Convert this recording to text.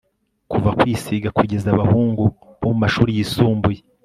kuva kwisiga kugeza abahungu bo mumashuri yisumbuye